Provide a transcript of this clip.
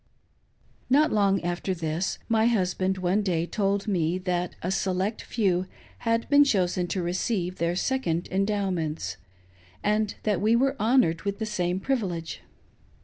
Not long after this, my husband one day told me that a select few had been chosen to receive their Second Endowments, and that we were to be honored with the same privilege.